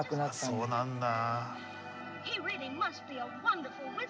そうなんだ。